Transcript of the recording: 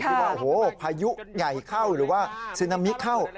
คิดว่าพายุใหญ่เข้าหรือว่าซีนามิกเข้า